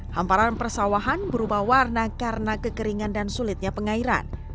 hamparan persawahan berubah warna karena kekeringan dan sulitnya pengairan